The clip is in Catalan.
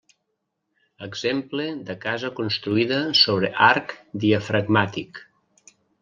Exemple de casa construïda sobre arc diafragmàtic.